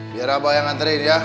biar abah yang nganterin ya